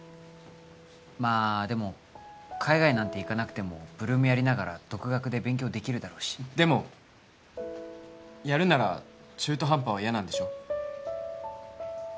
まあでも海外なんて行かなくても８ＬＯＯＭやりながら独学で勉強できるだろうしでもやるなら中途半端は嫌なんでしょ？